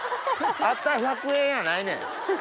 「あった１００円」やないねん。